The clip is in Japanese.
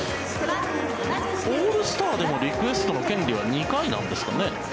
オールスターでもリクエストの権利は２回なんですかね？